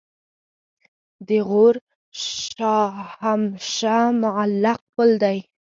د غور شاهمشه معلق پل دی